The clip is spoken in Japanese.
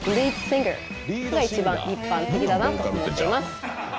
が一番一般的だなと思っています。